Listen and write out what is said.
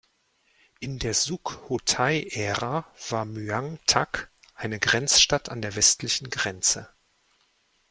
In der Sukhothai Ära war "Müang" Tak eine Grenzstadt an der westlichen Grenze.